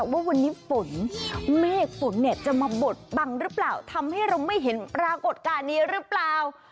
ว่าวันนี้ฝนแม่ฝนจะมาบดบังและเราไม่เห็นปรากฏการณ์นี้หรือเปล่า